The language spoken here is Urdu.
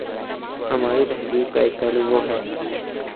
ہماری تہذیب کا ایک پہلو وہ ہے۔